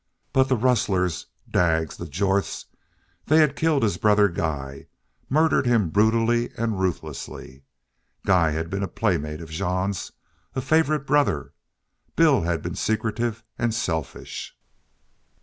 But the rustlers Daggs the Jorths they had killed his brother Guy murdered him brutally and ruthlessly. Guy had been a playmate of Jean's a favorite brother. Bill had been secretive and selfish.